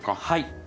はい。